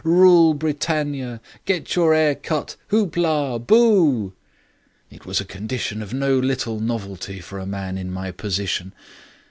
Rule Britannia! Get your 'air cut. Hoop la! Boo!' It was a condition of no little novelty for a man in my position.